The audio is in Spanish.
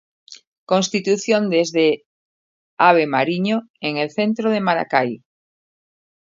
Constitución desde la Ave Mariño en el centro de Maracay.